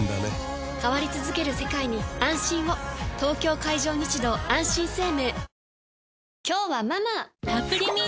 東京海上日動あんしん生命